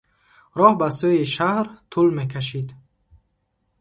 Роҳ ба сӯйи шаҳр тӯл мекашид.